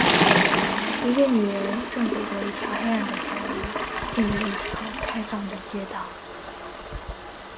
一个女人正走过一条黑暗的走廊，进入一条开放的街道。